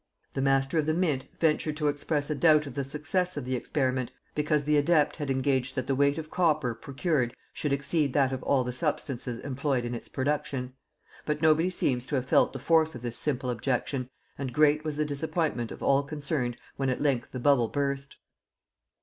The master of the Mint ventured to express a doubt of the success of the experiment, because the adept had engaged that the weight of copper procured should exceed that of all the substances employed in its production; but nobody seems to have felt the force of this simple objection, and great was the disappointment of all concerned when at length the bubble burst.